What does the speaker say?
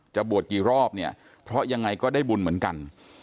บวชกี่รอบเนี่ยเพราะยังไงก็ได้บุญเหมือนกัน